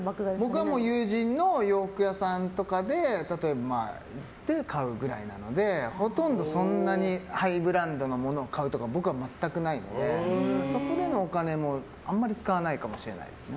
僕は友人の洋服屋さんとかで例えば行って買うぐらいなのでほとんどそんなにハイブランドのものを買うとか僕は全くないのでそこでのお金もあんまり使わないかもしれないですね。